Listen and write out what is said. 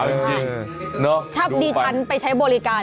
อะไรจริงถ้าพอดีฉันไปใช้บริการ